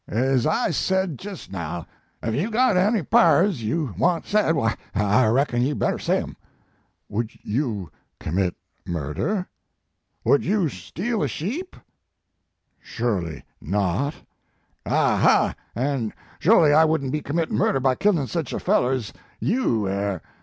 Ez I said jest now, ef you ve got any pra rs you want said, w y, I reckon you better say em." 4 Would you commit murder?" " Would you steal sheep?" 4 Surely not." c< Ah, hah, an* sholy I wouldn t be com mittin murder by killin sich er feller ez you air.